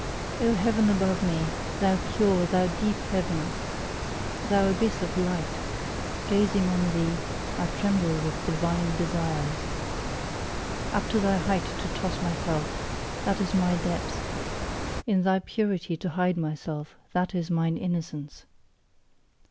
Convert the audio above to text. O heaven above me, thou pure, thou deep heaven! Thou abyss of light! Gazing on thee, I tremble with divine desires. Up to thy height to toss myself that is MY depth! In thy purity to hide myself that is MINE innocence!